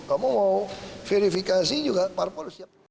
kamu mau verifikasi juga parpol siap